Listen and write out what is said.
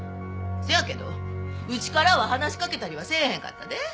せやけどうちからは話しかけたりはせえへんかったで。